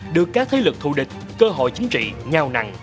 được các thế lực thù địch cơ hội chính trị nhao nằn